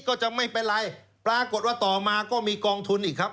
ก็จะไม่เป็นไรปรากฏว่าต่อมาก็มีกองทุนอีกครับ